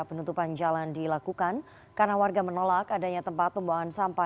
penutupan jalan dilakukan karena warga menolak adanya tempat pembuangan sampah